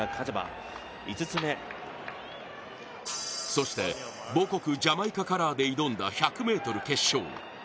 そして母国ジャマイカカラーで挑んだ１００ｍ決勝。